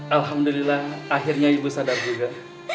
alhamdulillah akhirnya ibu sadar juga